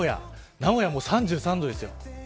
名古屋も３３度ですよ。